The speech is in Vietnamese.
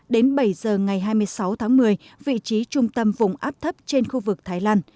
đến bảy giờ ngày hai mươi sáu tháng một mươi vị trí trung tâm vùng áp thấp trên khu vực thái lan